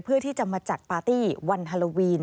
เพื่อที่จะมาจัดปาร์ตี้วันฮาโลวีน